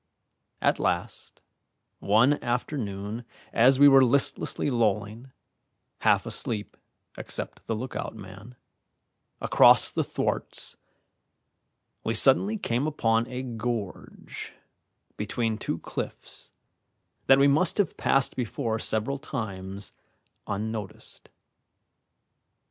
At last, one afternoon as we were listlessly lolling (half asleep, except the look out man) across the thwarts, we suddenly came upon a gorge between two cliffs that we must have passed before several times unnoticed.